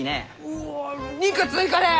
うわ肉追加で！